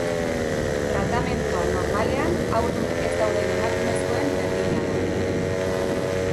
Tratamendua normalean haurdun ez dauden emakumezkoen berdina da.